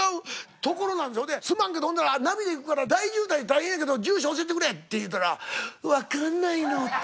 それで「すまんけどほんだらナビで行くから大渋滞大変やけど住所教えてくれ」って言うたら「わかんないの」って。